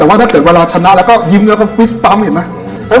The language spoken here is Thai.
แต่ว่าถ้าเกิดเวลาชนะแล้วก็ยิ้มแล้วก็ฟิตปั๊มเห็นไหม